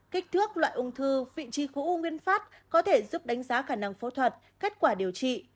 kích thước loại ung thư vị trí khối u nguyên pháp có thể giúp đánh giá khả năng phẫu thuật kết quả điều trị